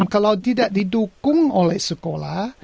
kalau tidak didukung oleh sekolah